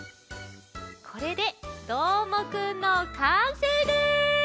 これでどーもくんのかんせいです！